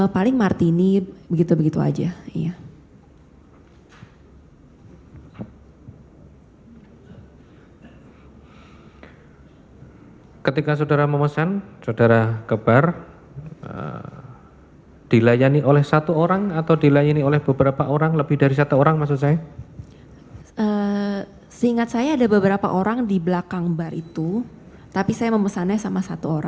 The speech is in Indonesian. paling martini begitu begitu aja